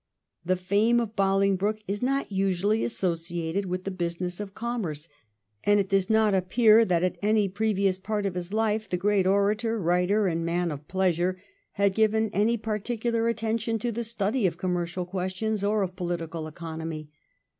The fame of Bolingbroke is not usually associated with the business of commerce, and it does not appear that at any previous part of his life the great orator, writer, and man of pleasure had given any particular attention to the study of commercial questions or of political economy.